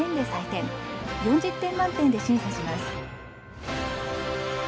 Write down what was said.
４０点満点で審査します。